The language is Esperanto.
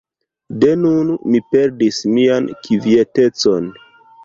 De nun, mi perdis mian kvietecon.